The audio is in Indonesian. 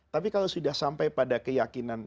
tapi kalau sudah sampai pada keyakinan